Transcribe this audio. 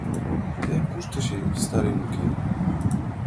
Тыйын кушто эше Сталин уке?